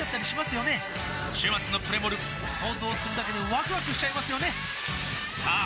週末のプレモル想像するだけでワクワクしちゃいますよねさあ